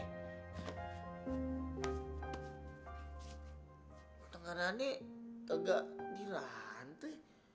tengah tengah nih enggak dirantai